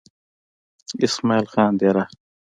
اسمعيل خان ديره